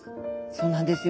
そうなんですよ。